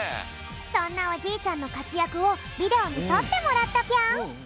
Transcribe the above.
そんなおじいちゃんのかつやくをビデオにとってもらったぴょん！